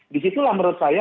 di situlah menurut saya